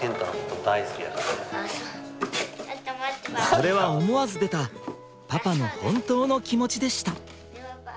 それは思わず出たパパの本当の気持ちでした。